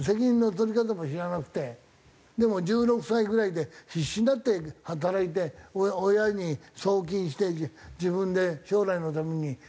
でも１６歳ぐらいで必死になって働いて親に送金して自分で将来のために貯金して勉強して。